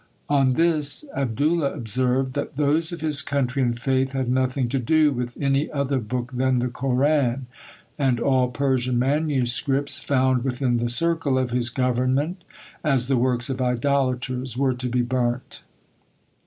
On this Abdoolah observed, that those of his country and faith had nothing to do with any other book than the Koran; and all Persian MSS. found within the circle of his government, as the works of idolaters, were to be burnt.